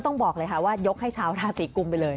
ต้องบอกเลยค่ะว่ายกให้ชาวราศีกุมไปเลย